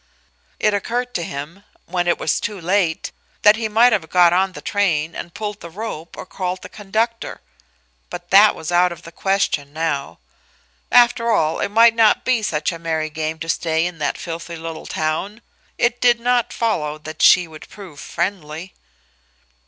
It occurred to him when it was too late that he might have got on the train and pulled the rope or called the conductor, but that was out of the question now. After all, it might not be such a merry game to stay in that filthy little town; it did not follow that she would prove friendly.